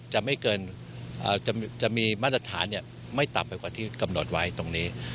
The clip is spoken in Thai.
จะมีมาตรฐานไม่ต่ำไปกว่าที่กำหนดไว้ตรงนี้